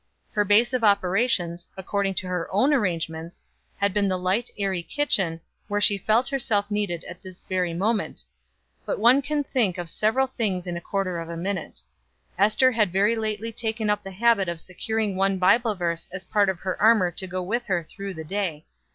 Her base of operations, according to her own arrangements, had been the light, airy kitchen, where she felt herself needed at this very moment. But one can think of several things in a quarter of a minute. Ester had very lately taken up the habit of securing one Bible verse as part of her armor to go with her through the day.